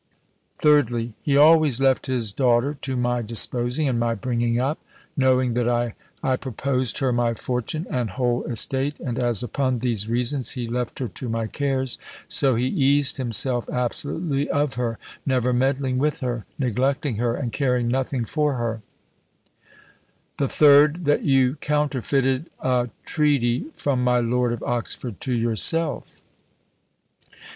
"Thirdly. He always left his daughter to my disposing and my bringing up; knowing that I purposed her my fortune and whole estate, and as upon these reasons he left her to my cares, so he eased himself absolutely of her, never meddling with her, neglecting her, and caring nothing for her. "The Third. That you counterfeited a treaty from my Lord of Oxford to yourself.